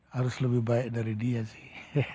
harus lebih baik dari dia sih